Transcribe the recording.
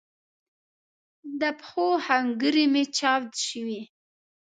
د پښو ښنګري می چاودی شوي